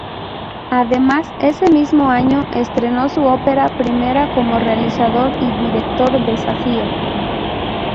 Además, ese mismo año estrenó su ópera prima como realizador y director: Desafío.